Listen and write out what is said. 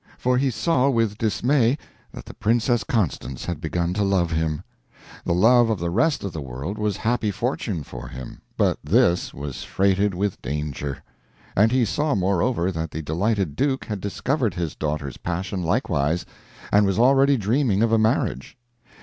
For he saw with dismay that the Princess Constance had begun to love him! The love of the rest of the world was happy fortune for him, but this was freighted with danger! And he saw, moreover, that the delighted Duke had discovered his daughter's passion likewise, and was already dreaming of a marriage.